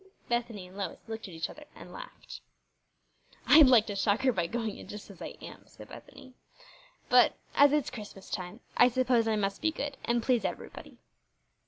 Bethany and Lois looked at each other and laughed. "I'd like to shock her by going in just as I am," said Bethany; "but as it's Christmas time I suppose I must be good and please everybody."